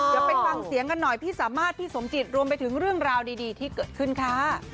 เดี๋ยวไปฟังเสียงกันหน่อยพี่สามารถพี่สมจิตรวมไปถึงเรื่องราวดีที่เกิดขึ้นค่ะ